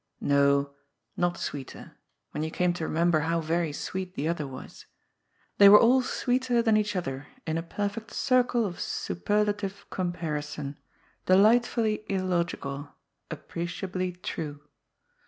No, not sweeter, when you came to remember how very sweet the other was. They were all sweeter than each other in a per fect circle of superlative comparison, delightfully illogical, appreciably true.